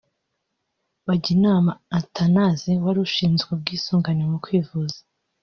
Baginama Athanase wari ushinzwe ubwisungane mu kwivuza